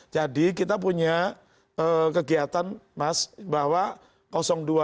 jadi kita punya kegiatan mas bahwa dua ini